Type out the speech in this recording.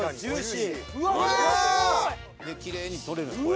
きれいに取れるのこれ。